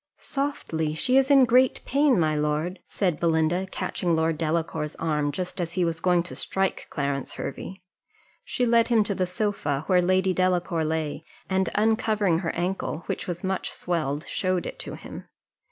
"Softly! she's in great pain, my lord," said Belinda, catching Lord Delacour's arm, just as he was going to strike Clarence Hervey. She led him to the sofa where Lady Delacour lay, and uncovering her ankle, which was much swelled, showed it to him.